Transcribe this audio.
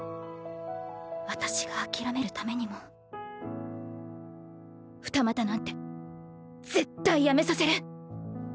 私が諦めるためにも二股なんて絶対やめさせる！